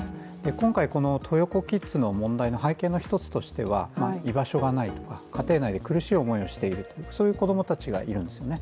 今回このトー横キッズの問題の背景としては居場所がないとか、家庭内で苦しい思いをしているそういう子供たちがいるんですね。